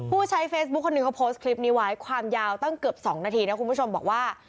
ผู้ใช้เฟซบุ๊คคนหนึ่งเขาโพสต์คลิปนี้ไว้ความยาวตั้งเกือบ๒นาทีนะคุณผู้ชมบอกว่า